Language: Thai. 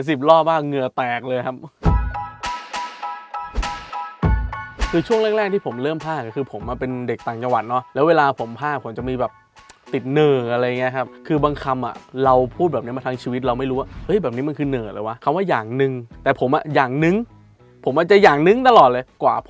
เซ็นอิซึมันเป็นเรื่องแรกที่ผมตะโกนจนอยากจะอ้วก